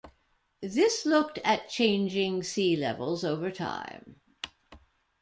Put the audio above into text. This looked at changing sea levels over time.